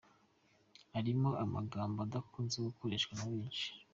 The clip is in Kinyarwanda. irimo amagambo adakunze gukoreshwa na benshi.